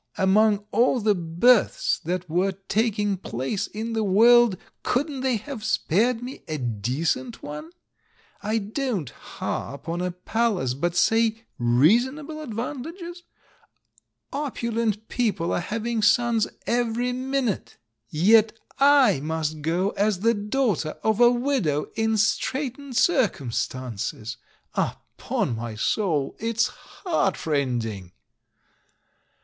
Among all the births that were taking place in the world, couldn't they have spared me a decent one ? I don't harp on a pal ace, but, say, reasonable advantages? Opulent people are having sons every minute, yet I must 336 THE MAN WHO UNDERSTOOD WOMEN go as the daughter of a widow in straitened cir cumstances. Upon my soul, it's heartrending!"